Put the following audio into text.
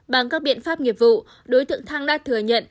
bằng các biện pháp nghiệp vụ đối tượng thăng đã thừa nhận